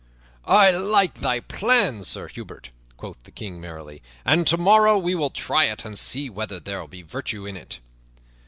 "I like thy plan, Sir Hubert," quoth the King merrily, "and tomorrow we will try it and see whether there be virtue in it."